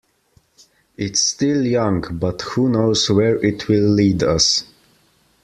It's still young, but who knows where it will lead us.